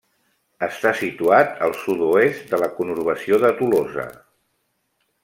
Està situat al sud-oest de la conurbació de Tolosa.